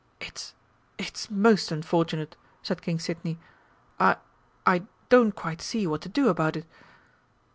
"It it's most unfortunate!" said King Sidney. "I I don't quite see what to do about it."